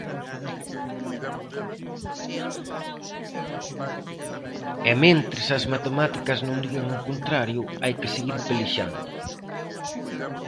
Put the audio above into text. E mentres as matemáticas non digan o contrario hai que seguir pelexando.